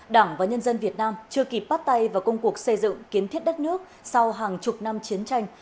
đảng và nhân dân việt nam chưa kịp bắt tay vào công cuộc xây dựng kiến thiết đất nước sau hàng chục năm chiến tranh